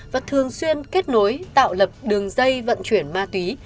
và thường xuyên kết nối tạo lập đường dây vận chuyển ma túy